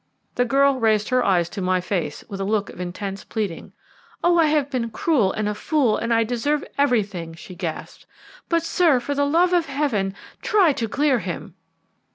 The girl raised her eyes to my face with a look of intense pleading. "Oh, I have been cruel and a fool, and I deserve everything," she gasped; "but, sir, for the love of Heaven, try to clear him."